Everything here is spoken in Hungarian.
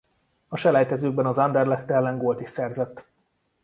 A selejtezőkben az Anderlecht ellen gólt is szerzett.